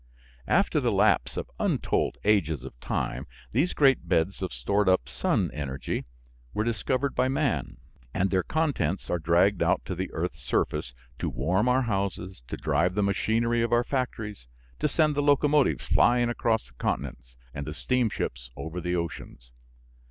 After the lapse of untold ages of time these great beds of stored up sun energy were discovered by man and their contents are dragged out to the earth's surface, to warm our houses, to drive the machinery of our factories, to send the locomotives flying across the continents and the steamships over the oceans.